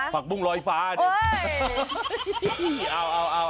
ผักบุ้งรอยฟ้า